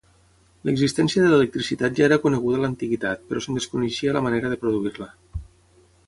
L'existència de l'electricitat ja era coneguda a l'antiguitat, però se'n desconeixia la manera de produir-la.